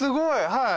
はい。